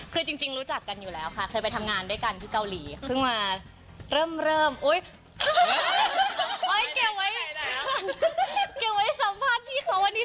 เก็บไว้สัมภาษณ์พี่เขาวันนี้๑๓